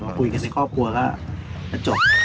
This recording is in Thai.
คุยกันในครอบครัวก็จะจบ